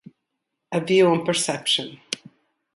A view on perception.